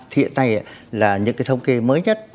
thì hiện nay là những cái thống kê mới nhất